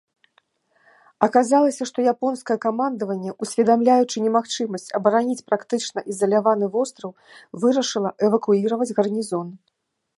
Аказалася, што японскае камандаванне, усведамляючы немагчымасць абараніць практычна ізаляваны востраў, вырашыла эвакуіраваць гарнізон.